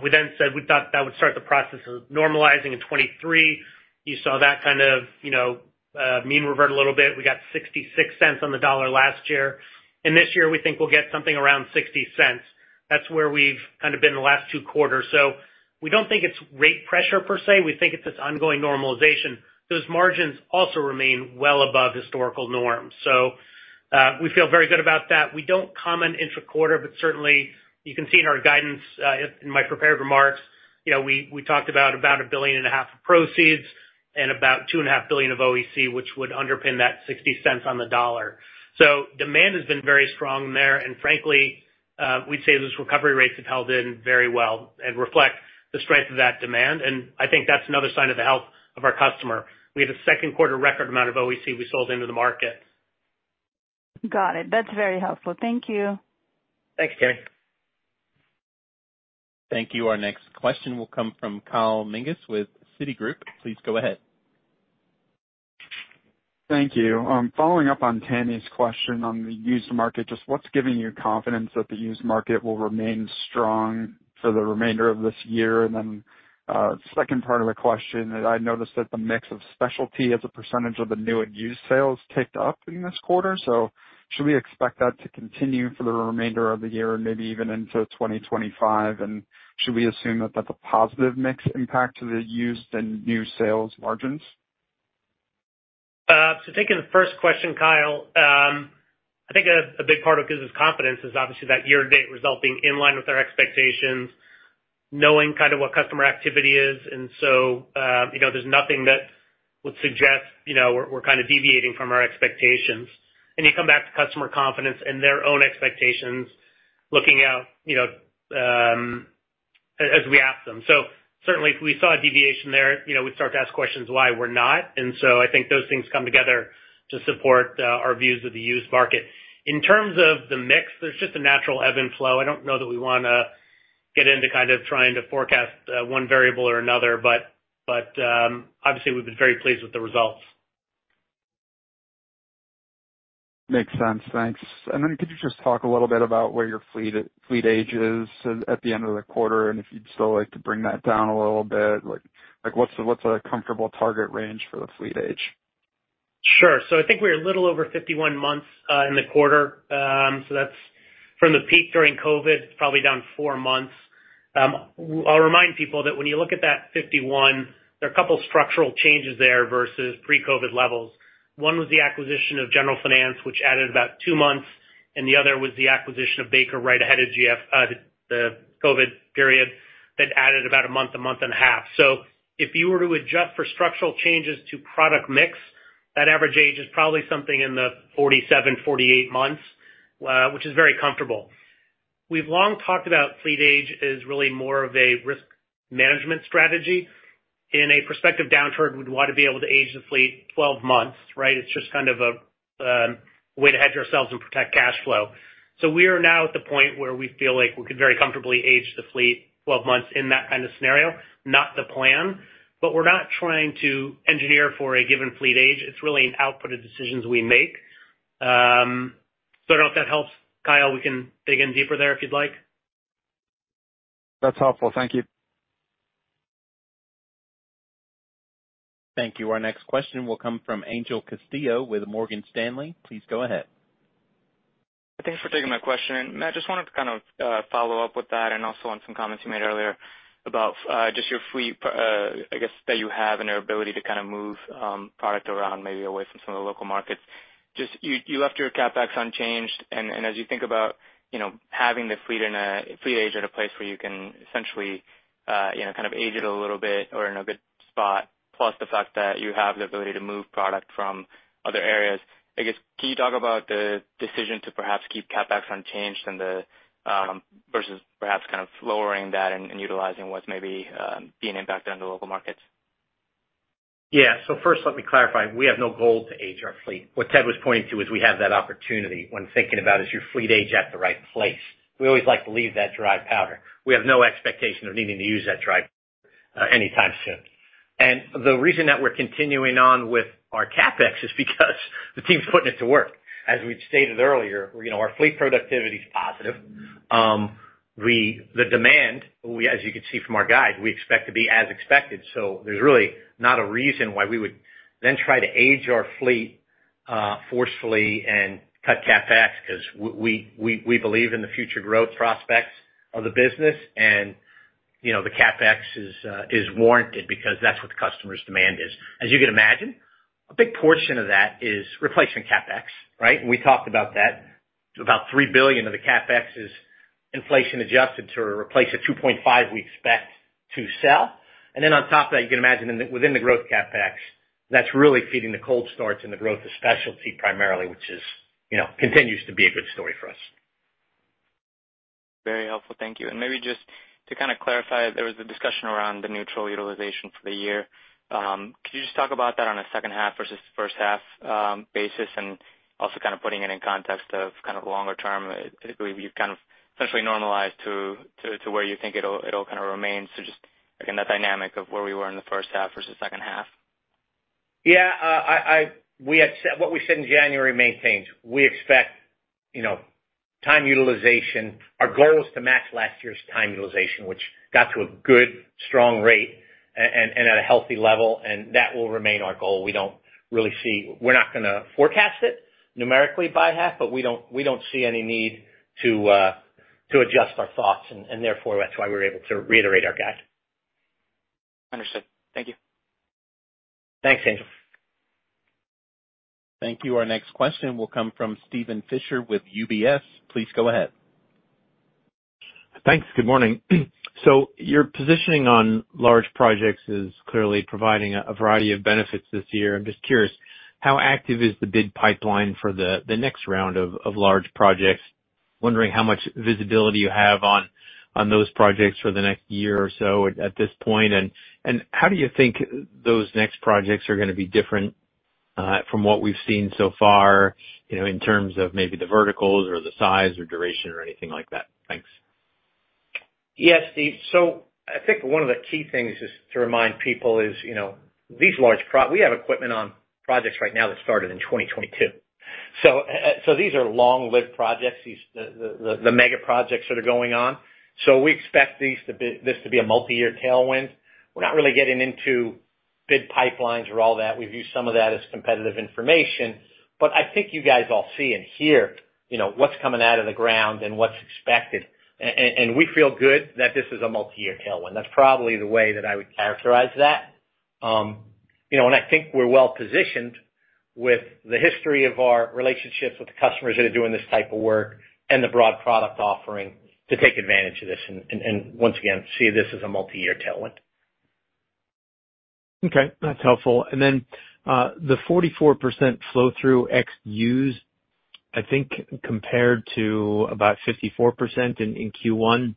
We then said we thought that would start the process of normalizing in 2023. You saw that kind of mean revert a little bit. We got 66 cents on the dollar last year. And this year, we think we'll get something around 60 cents. That's where we've kind of been in the last two quarters. So we don't think it's rate pressure per se. We think it's this ongoing normalization. Those margins also remain well above historical norms. So we feel very good about that. We don't comment intra-quarter, but certainly, you can see in our guidance, in my prepared remarks, we talked about a billion and a half of proceeds and about two and a half billion of OEC, which would underpin that 60 cents on the dollar. So demand has been very strong there. And frankly, we'd say those recovery rates have held in very well and reflect the strength of that demand. And I think that's another sign of the health of our customer. We had a second-quarter record amount of OEC we sold into the market. Got it. That's very helpful. Thank you. Thanks, Tammy. Thank you. Our next question will come from Kyle Menges with Citi. Please go ahead. Thank you. Following up on Tami's question on the used market, just what's giving you confidence that the used market will remain strong for the remainder of this year? And then second part of the question, I noticed that the mix of specialty as a percentage of the new and used sales ticked up in this quarter. So should we expect that to continue for the remainder of the year and maybe even into 2025? And should we assume that that's a positive mix impact to the used and new sales margins? So taking the first question, Kyle, I think a big part of giving us confidence is obviously that year-to-date result being in line with our expectations, knowing kind of what customer activity is. And so there's nothing that would suggest we're kind of deviating from our expectations. And you come back to customer confidence and their own expectations looking out as we ask them. So certainly, if we saw a deviation there, we'd start to ask questions why we're not. And so I think those things come together to support our views of the used market. In terms of the mix, there's just a natural ebb and flow. I don't know that we want to get into kind of trying to forecast one variable or another, but obviously, we've been very pleased with the results. Makes sense. Thanks. And then could you just talk a little bit about where your fleet age is at the end of the quarter and if you'd still like to bring that down a little bit? What's a comfortable target range for the fleet age? Sure. So I think we're a little over 51 months in the quarter. So that's from the peak during COVID, probably down 4 months. I'll remind people that when you look at that 51, there are a couple of structural changes there versus pre-COVID levels. One was the acquisition of General Finance, which added about 2 months, and the other was the acquisition of Baker right ahead of the COVID period that added about a month, a month and a half. So if you were to adjust for structural changes to product mix, that average age is probably something in the 47, 48 months, which is very comfortable. We've long talked about fleet age as really more of a risk management strategy. In a prospective downturn, we'd want to be able to age the fleet 12 months, right? It's just kind of a way to hedge ourselves and protect cash flow. So we are now at the point where we feel like we could very comfortably age the fleet 12 months in that kind of scenario, not the plan. But we're not trying to engineer for a given fleet age. It's really an output of decisions we make. So I don't know if that helps. Kyle, we can dig in deeper there if you'd like. That's helpful. Thank you. Thank you. Our next question will come from Angel Castillo with Morgan Stanley. Please go ahead. Thanks for taking my question. Matt, just wanted to kind of follow up with that and also on some comments you made earlier about just your fleet, I guess, that you have and your ability to kind of move product around maybe away from some of the local markets. You left your CapEx unchanged. As you think about having the fleet age at a place where you can essentially kind of age it a little bit or in a good spot, plus the fact that you have the ability to move product from other areas, I guess, can you talk about the decision to perhaps keep CapEx unchanged versus perhaps kind of lowering that and utilizing what's maybe being impacted on the local markets? Yeah. So first, let me clarify. We have no goal to age our fleet. What Ted was pointing to is we have that opportunity when thinking about is your fleet age at the right place. We always like to leave that dry powder. We have no expectation of needing to use that dry powder anytime soon. And the reason that we're continuing on with our CapEx is because the team's putting it to work. As we've stated earlier, our fleet productivity is positive. The demand, as you can see from our guide, we expect to be as expected. So there's really not a reason why we would then try to age our fleet forcefully and cut CapEx because we believe in the future growth prospects of the business. And the CapEx is warranted because that's what the customer's demand is. As you can imagine, a big portion of that is replacing CapEx, right? We talked about that. About $3 billion of the CapEx is inflation-adjusted to replace a $2.5 billion we expect to sell. Then on top of that, you can imagine within the growth CapEx, that's really feeding the Cold Starts and the growth of Specialty primarily, which continues to be a good story for us. Very helpful. Thank you. Maybe just to kind of clarify, there was a discussion around the neutral utilization for the year. Could you just talk about that on a second half versus first half basis and also kind of putting it in context of kind of longer term? I believe you've kind of essentially normalized to where you think it'll kind of remain. So just, again, that dynamic of where we were in the first half versus second half. Yeah. What we said in January maintained. We expect time utilization. Our goal is to match last year's time utilization, which got to a good, strong rate and at a healthy level. That will remain our goal. We don't really see we're not going to forecast it numerically by half, but we don't see any need to adjust our thoughts. Therefore, that's why we're able to reiterate our guide. Understood. Thank you. Thanks, Angel. Thank you. Our next question will come from Steven Fisher with UBS. Please go ahead. Thanks. Good morning. So your positioning on large projects is clearly providing a variety of benefits this year. I'm just curious, how active is the bid pipeline for the next round of large projects? Wondering how much visibility you have on those projects for the next year or so at this point. And how do you think those next projects are going to be different from what we've seen so far in terms of maybe the verticals or the size or duration or anything like that? Thanks. Yes, Steve. So I think one of the key things is to remind people is these large we have equipment on projects right now that started in 2022. So these are long-lived projects, the mega projects that are going on. So we expect this to be a multi-year tailwind. We're not really getting into bid pipelines or all that. We've used some of that as competitive information. But I think you guys all see and hear what's coming out of the ground and what's expected. And we feel good that this is a multi-year tailwind. That's probably the way that I would characterize that. And I think we're well-positioned with the history of our relationships with the customers that are doing this type of work and the broad product offering to take advantage of this and, once again, see this as a multi-year tailwind. Okay. That's helpful. And then the 44% flow-through use, I think, compared to about 54% in Q1.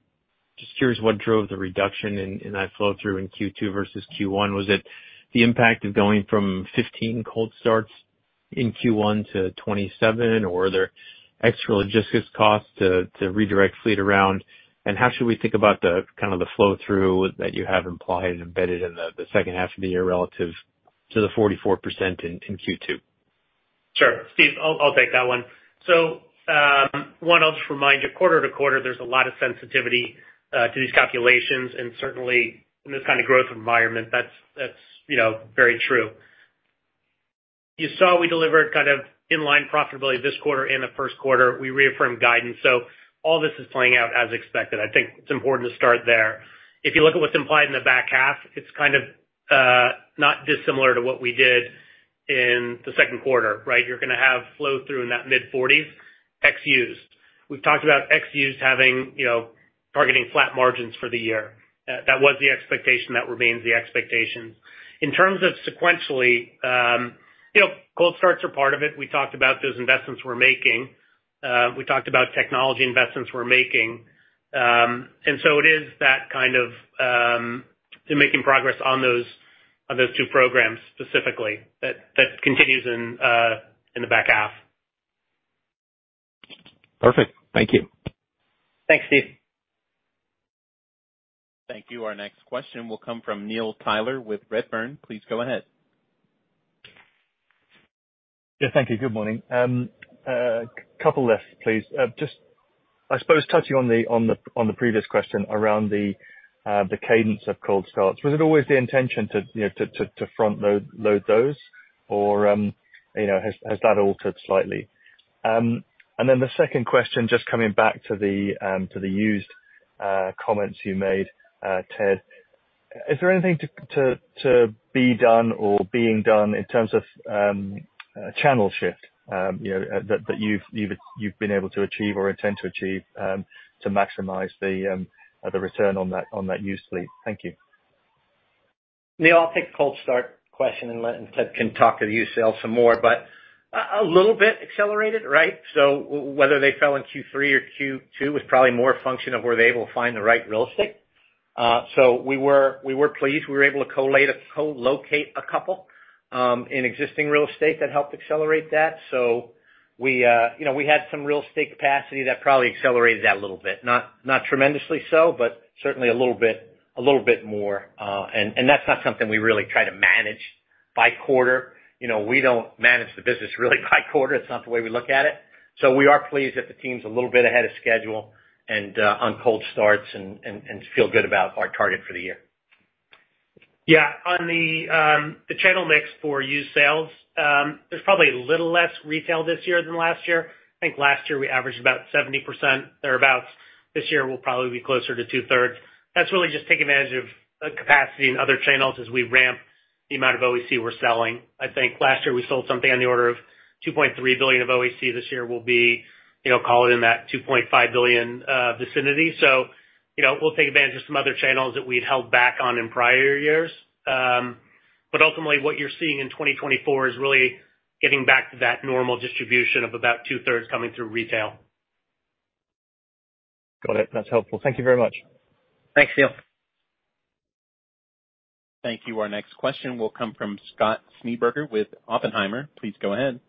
Just curious what drove the reduction in that flow-through in Q2 versus Q1. Was it the impact of going from 15 cold starts in Q1 to 27, or were there extra logistics costs to redirect fleet around? And how should we think about kind of the flow-through that you have implied and embedded in the second half of the year relative to the 44% in Q2? Sure. Steve, I'll take that one. So, one, I'll just remind you, quarter to quarter, there's a lot of sensitivity to these calculations. And certainly, in this kind of growth environment, that's very true. You saw we delivered kind of in-line profitability this quarter and the first quarter. We reaffirmed guidance. So all this is playing out as expected. I think it's important to start there. If you look at what's implied in the back half, it's kind of not dissimilar to what we did in the second quarter, right? You're going to have flow-through in that mid-40s, ex-used. We've talked about ex-used targeting flat margins for the year. That was the expectation. That remains the expectations. In terms of sequentially, cold starts are part of it. We talked about those investments we're making. We talked about technology investments we're making. And so it is that kind of making progress on those two programs specifically that continues in the back half. Perfect. Thank you. Thanks, Steve. Thank you. Our next question will come from Neil Tyler with Redburn. Please go ahead. Yeah. Thank you. Good morning. A couple of questions, please. Just, I suppose, touching on the previous question around the cadence of cold starts. Was it always the intention to front-load those, or has that altered slightly? And then the second question, just coming back to the your comments you made, Ted, is there anything to be done or being done in terms of channel shift that you've been able to achieve or intend to achieve to maximize the return on that used fleet? Thank you. The organic cold start question, and Ted can talk to you all some more, but a little bit accelerated, right? So whether they fell in Q3 or Q2 was probably more a function of were they able to find the right real estate. So we were pleased. We were able to co-locate a couple in existing real estate that helped accelerate that. So we had some real estate capacity that probably accelerated that a little bit. Not tremendously so, but certainly a little bit more. And that's not something we really try to manage by quarter. We don't manage the business really by quarter. It's not the way we look at it. So we are pleased that the team's a little bit ahead of schedule on cold starts and feel good about our target for the year. Yeah. On the channel mix for used sales, there's probably a little less retail this year than last year. I think last year we averaged about 70% thereabouts. This year will probably be closer to two-thirds. That's really just taking advantage of capacity and other channels as we ramp the amount of OEC we're selling. I think last year we sold something on the order of $2.3 billion of OEC. This year will be, call it in that $2.5 billion vicinity. So we'll take advantage of some other channels that we'd held back on in prior years. But ultimately, what you're seeing in 2024 is really getting back to that normal distribution of about two-thirds coming through retail. Got it. That's helpful. Thank you very much. Thanks, Neil. Thank you. Our next question will come from Scott Schneeberger with Oppenheimer. Please go ahead.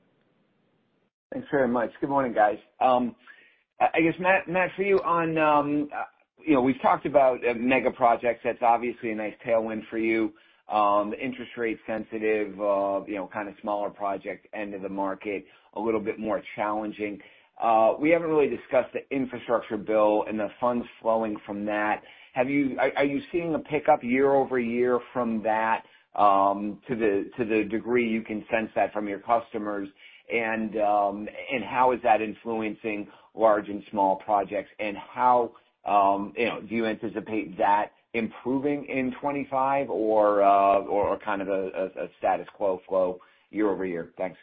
Thanks very much. Good morning, guys. I guess, Matt, for you on we've talked about mega projects. That's obviously a nice tailwind for you. Interest rate-sensitive, kind of smaller project, end of the market, a little bit more challenging. We haven't really discussed the infrastructure bill and the funds flowing from that. Are you seeing a pickup year-over-year from that to the degree you can sense that from your customers? And how is that influencing large and small projects? And how do you anticipate that improving in 2025 or kind of a status quo flow year-over-year? Thanks.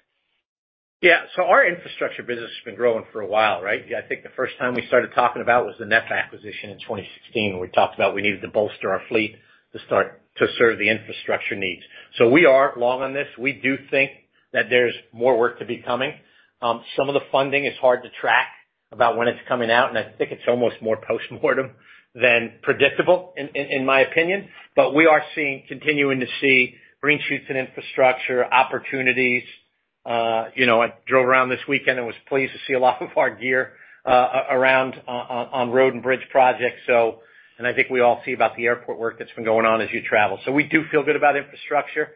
Yeah. So our infrastructure business has been growing for a while, right? I think the first time we started talking about was the NEF acquisition in 2016, where we talked about we needed to bolster our fleet to serve the infrastructure needs. So we are long on this. We do think that there's more work to be coming. Some of the funding is hard to track about when it's coming out. And I think it's almost more post-mortem than predictable, in my opinion. But we are continuing to see green shoots in infrastructure, opportunities. I drove around this weekend and was pleased to see a lot of our gear around on road and bridge projects. And I think we all see about the airport work that's been going on as you travel. So we do feel good about infrastructure.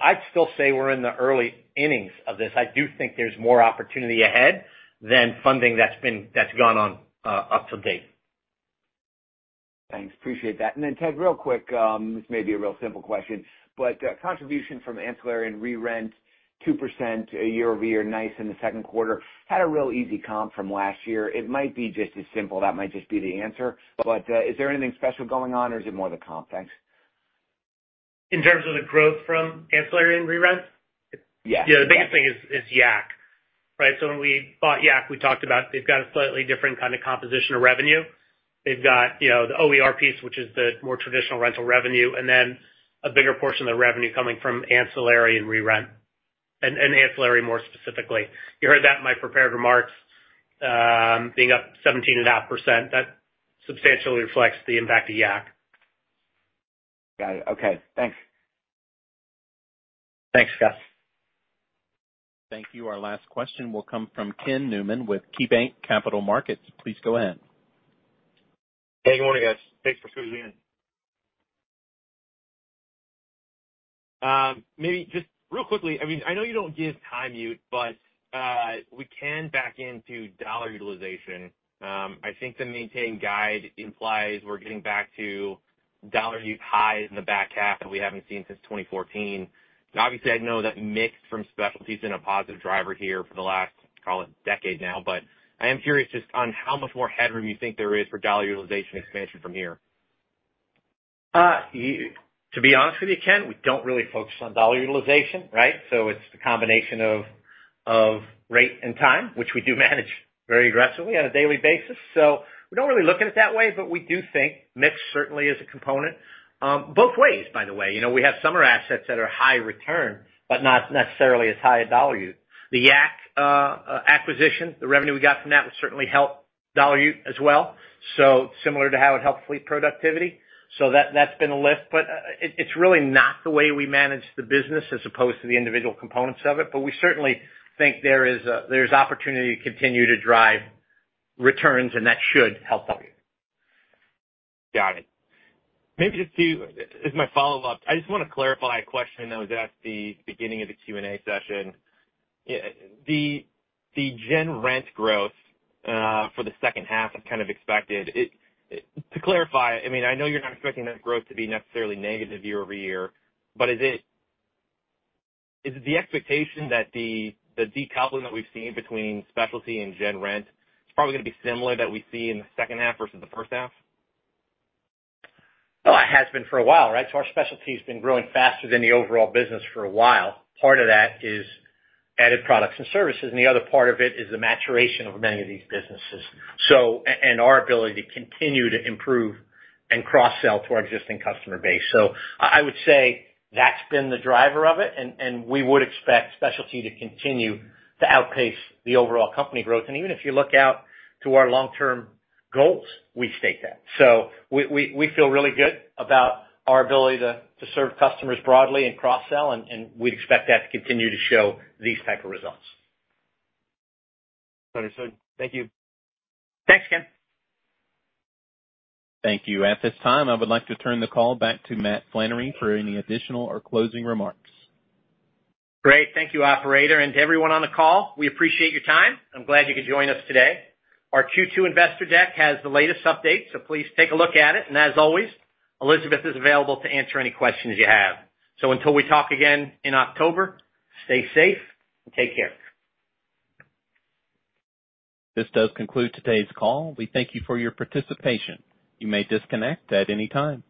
I'd still say we're in the early innings of this. I do think there's more opportunity ahead than funding that's gone on up to date. Thanks. Appreciate that. And then, Ted, real quick, this may be a real simple question, but contribution from ancillary and re-rent, 2% year-over-year, nice in the second quarter, had a real easy comp from last year. It might be just as simple. That might just be the answer. But is there anything special going on, or is it more the comp? Thanks. In terms of the growth from ancillary and re-rent? Yeah. Yeah. The biggest thing is YAC, right? So when we bought YAC, we talked about they've got a slightly different kind of composition of revenue. They've got the OER piece, which is the more traditional rental revenue, and then a bigger portion of the revenue coming from ancillary and re-rent, and ancillary more specifically. You heard that in my prepared remarks, being up 17.5%. That substantially reflects the impact of YAC. Got it. Okay. Thanks. Thanks, Scott. Thank you. Our last question will come from Ken Newman with KeyBanc Capital Markets. Please go ahead. Hey, good morning, guys. Thanks for squeezing in. Maybe just real quickly, I mean, I know you don't give time utilization, but we can back into dollar utilization. I think the midpoint guide implies we're getting back to dollar utilization highs in the back half that we haven't seen since 2014. Obviously, I know that mix from specialties has been a positive driver here for the last, call it, decade now. But I am curious just on how much more headroom you think there is for dollar utilization expansion from here. To be honest with you, Ken, we don't really focus on dollar utilization, right? So it's the combination of rate and time, which we do manage very aggressively on a daily basis. So we're not really looking at it that way, but we do think mix certainly is a component. Both ways, by the way. We have some of our assets that are high return but not necessarily as high a dollar use. The YAC acquisition, the revenue we got from that would certainly help dollar use as well, similar to how it helped fleet productivity. So that's been a lift. But it's really not the way we manage the business as opposed to the individual components of it. But we certainly think there is opportunity to continue to drive returns, and that should help them. Got it. Maybe just to ask my follow-up, I just want to clarify a question that was asked at the beginning of the Q&A session. The gen rent growth for the second half is kind of expected. To clarify, I mean, I know you're not expecting that growth to be necessarily negative year-over-year, but is it the expectation that the decoupling that we've seen between specialty and gen rent is probably going to be similar that we see in the second half versus the first half? Well, it has been for a while, right? So our specialty has been growing faster than the overall business for a while. Part of that is added products and services. And the other part of it is the maturation of many of these businesses and our ability to continue to improve and cross-sell to our existing customer base. So I would say that's been the driver of it. And we would expect specialty to continue to outpace the overall company growth. And even if you look out to our long-term goals, we state that. So we feel really good about our ability to serve customers broadly and cross-sell. And we'd expect that to continue to show these types of results. Understood. Thank you. Thanks, Ken. Thank you. At this time, I would like to turn the call back to Matt Flannery for any additional or closing remarks. Great. Thank you, Operator, and to everyone on the call. We appreciate your time. I'm glad you could join us today. Our Q2 Investor Deck has the latest updates, so please take a look at it. And as always, Elizabeth is available to answer any questions you have. So until we talk again in October, stay safe and take care. This does conclude today's call. We thank you for your participation. You may disconnect at any time.